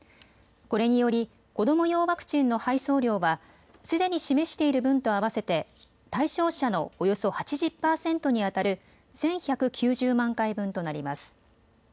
これにより子ども用ワクチンの配送量はすでに示している分と合わせて対象者のおよそ８０％にあたる１１９０万回分となります。